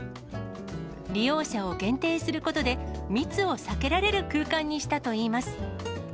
利用者を限定することで、密を避けられる空間にしたといいます。